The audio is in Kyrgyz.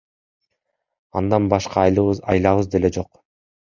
Андан башка айлабыз деле жок.